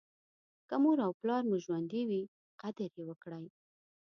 که مور او پلار مو ژوندي وي قدر یې وکړئ.